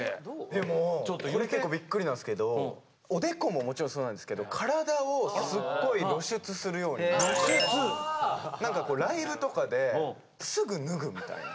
でもこれ結構びっくりなんすけどおでこももちろんそうなんですけどカラダをすっごい露出するようになって何かライブとかですぐ脱ぐみたいな。